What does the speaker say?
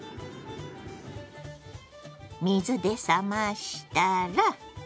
水で冷ましたら。